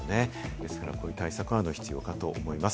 ですから、こういう対策が必要かと思います。